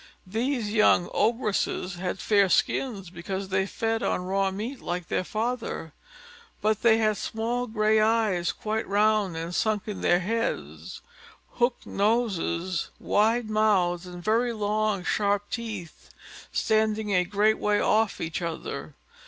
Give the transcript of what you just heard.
These young Ogresses had fair skins, because they fed on raw meat like their father; but they had small grey eyes, quite round, and sunk in their heads, hooked noses, wide mouths, and very long sharp teeth standing a great way off each other.